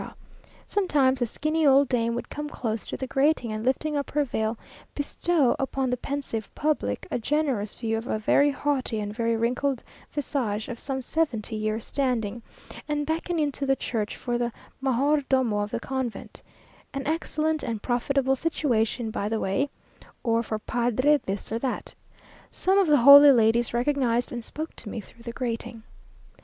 Sometimes a skinny old dame would come close to the grating, and lifting up her veil, bestow upon the pensive public a generous view of a very haughty and very wrinkled visage of some seventy years standing, and beckon into the church for the major domo of the convent (an excellent and profitable situation by the way), or for padre this or that. Some of the holy ladies recognised and spoke to me through the grating.